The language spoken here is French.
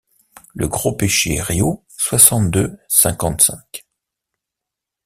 Le gros péché Riault soixante-deux cinquante-cinq.